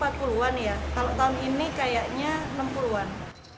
kalau tahun ini kayaknya enam puluh an